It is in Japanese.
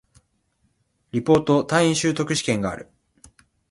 リポート、単位習得試験がある